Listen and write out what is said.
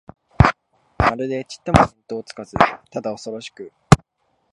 まるでちっとも見当つかず、ただおそろしく、